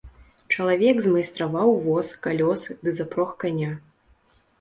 Чалавек змайстраваў воз, калёсы ды запрог каня.